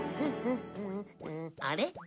あれ？